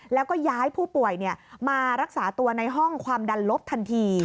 แล้วก็ย้ายผู้ป่วยมารักษาตัวในห้องความดันลบทันที